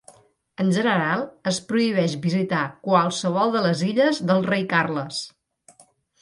En general, es prohibeix visitar qualsevol de les illes del Rei Carles.